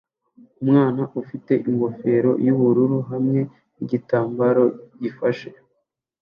Umwana ufite ingofero yubururu hamwe nigitambara gifashe